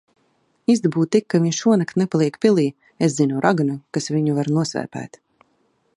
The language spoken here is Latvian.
Izdabū tik, ka viņš šonakt nepaliek pilī. Es zinu raganu, kas viņu var nosvēpēt.